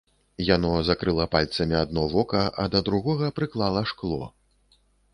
Яно закрыла пальцамі адно вока, а да другога прыклала шкло.